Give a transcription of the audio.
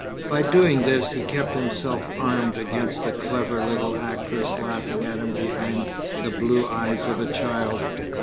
By doing this he kept himself armed against the clever little actress laughing at him behind the blue eyes of a child.